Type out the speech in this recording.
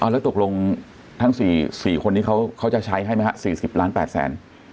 และตกลงทั้ง๔คนนี้เขาจะใช้ให้มั้ย๔๐ล้าน๘๐๐๐๐